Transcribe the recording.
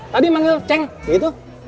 tadi manggil ceng gitu